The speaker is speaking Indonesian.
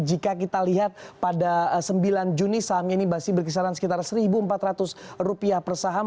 jika kita lihat pada sembilan juni sahamnya ini masih berkisaran sekitar rp satu empat ratus per saham